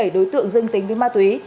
năm mươi bảy đối tượng dương tính với ma túy